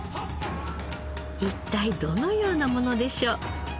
一体どのようなものでしょう。